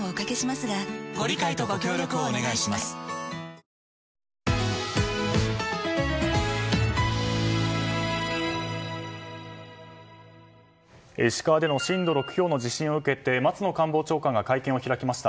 大変な時に石川での震度６強の地震を受けて松野官房長官が会見を開きました。